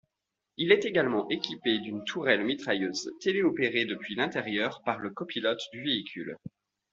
Il est également équipé d'une tourelle-mitrailleuse télé-opérée depuis l'intérieur par le copilote du véhicule.